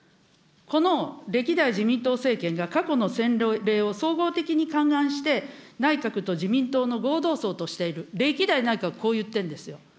この歴代自民党政権が過去の先例を総合的に勘案して、内閣と自民党の合同葬としている、歴代内閣、そういっているんですよ。